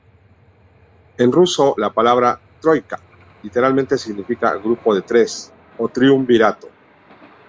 En ruso, la palabra "Troika" literalmente significa ‘grupo de tres’ o ‘triunvirato’.